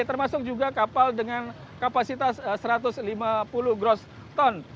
termasuk juga kapal dengan kapasitas satu ratus lima puluh gross ton